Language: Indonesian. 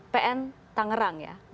pn tangerang ya